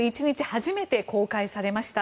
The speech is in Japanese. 初めて公開されました。